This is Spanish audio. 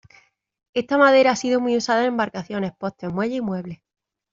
Esta madera ha sido muy usada en embarcaciones, postes, muelles y muebles.